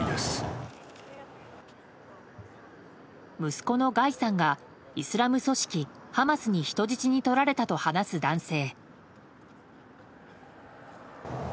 息子のガイさんがイスラム組織ハマスに人質にとられたと話す男性。